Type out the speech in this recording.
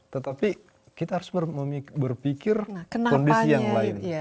tetapi kita harus berpikir kondisi yang lain